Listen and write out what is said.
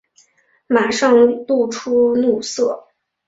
马上露出怒色